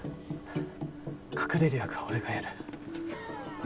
隠れる役は俺がやる。